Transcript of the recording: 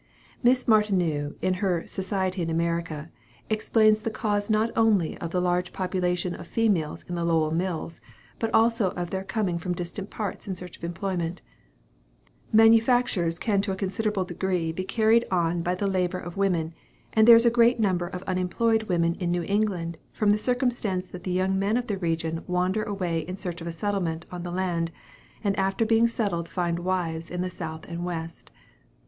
Miss Martineau, in her "Society in America," explains the cause not only of the large proportion of females in the Lowell mills, but also of their coming from distant parts in search of employment: "Manufactures can to a considerable degree be carried on by the labor of women; and there is a great number of unemployed women in New England, from the circumstance that the young men of that region wander away in search of a settlement on the land, and after being settled find wives in the south and west."